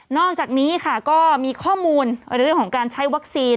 อกจากนี้ค่ะก็มีข้อมูลเรื่องของการใช้วัคซีน